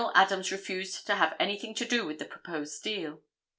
Adams refused to have anything to do with the proposed deal.